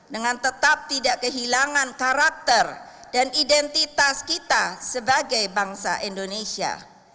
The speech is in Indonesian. dengan tetap tidak kehilangan karakter dan identitas kita sebagai bangsa indonesia